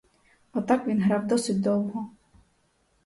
Отак він грав досить довго.